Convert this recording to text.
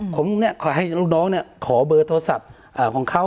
ผมเนี่ยให้ลูกน้องเนี่ยขอเบอร์โทรศัพท์ของเขา